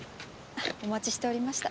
お待ちしておりました。